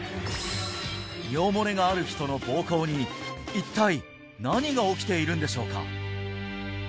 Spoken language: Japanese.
尿もれがある人の膀胱に一体何が起きているんでしょうか？